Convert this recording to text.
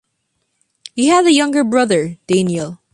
He had a younger brother, Daniel.